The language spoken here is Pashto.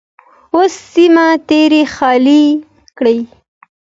او سیمه ترې خالي کړي.